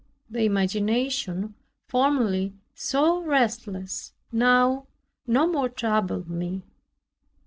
The imagination, formerly so restless, now no more troubled me.